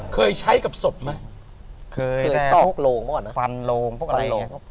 เคยใช้กับศพไหมเคยต้องโลงก่อนนะฟันโลงพวกอะไรอย่างเงี้ย